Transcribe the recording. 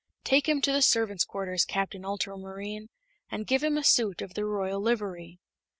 Take him to the servants' quarters, Captain Ultramarine, and give him a suit of the royal livery."